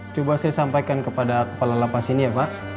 coba saya sampaikan kepada kepala lapas ini ya pak